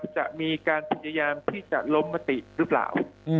จะมีการพยายามที่จะล้มมติหรือเปล่า